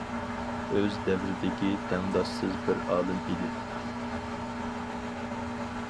ئۆز دەۋرىدىكى تەڭداشسىز بىر ئالىم ئىدى.